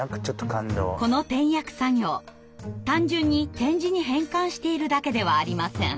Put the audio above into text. この点訳作業単純に点字に変換しているだけではありません。